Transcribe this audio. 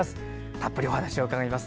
たっぷりお話を伺います。